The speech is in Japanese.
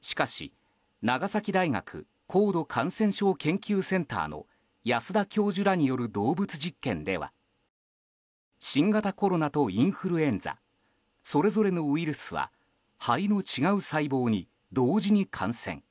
しかし、長崎大学高度感染症研究センターの安田教授らによる動物実験では新型コロナとインフルエンザそれぞれのウイルスは肺の違う細胞に同時に感染。